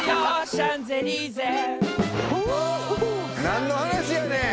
何の話やねん！